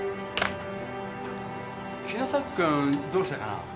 城崎君どうしたかなあ？